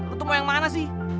lu tuh mau yang mana sih